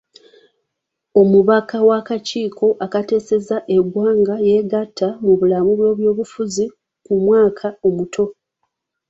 Omubaka w'akakiiko akateeseza eggwanga yegatta mu bulamu bw'ebyobufuzi ku mwaka omuto.